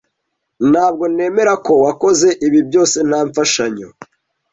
Ntabwo nemera ko wakoze ibi byose nta mfashanyo.